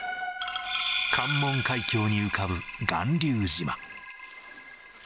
関門海峡に浮かぶ巌流島。